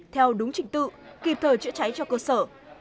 theo đúng trình tự kịp thời chữa cháy cho cơ sở